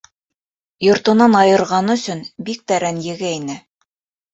Йортонан айырғаны өсөн бик тә рәнйегәйне.